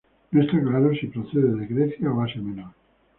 No está claro si procede de Grecia o Asia Menor.